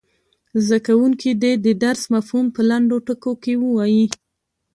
زده کوونکي دې د درس مفهوم په لنډو ټکو کې ووايي.